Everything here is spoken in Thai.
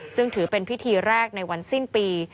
ซึ่งถือเป็นพิธีแรกในวันสิ้นปี